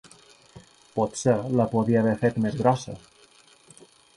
Potser la podia haver fet més grossa.